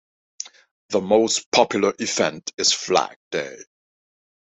The most popular event is Flag Day.